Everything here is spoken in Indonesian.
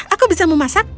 masak ya aku bisa memasak